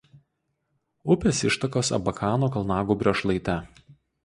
Upės ištakos Abakano kalnagūbrio šlaite.